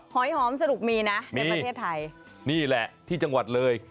หอยหอมสนุกมีนะในประเทศไทยนี่แหละที่จังหวัดเลย